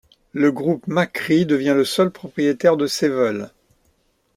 Le Groupe Macri devient le seul propriétaire de Sevel.